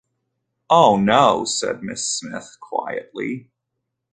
“Oh, no!” said, Miss Smith quietly.